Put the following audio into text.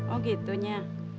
oh gitu nya